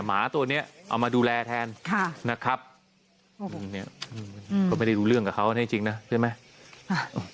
หมาตัวนี้เอามาดูแลแทนนะครับก็ไม่ได้รู้เรื่องกับเขาแน่จริงนะใช่ไหม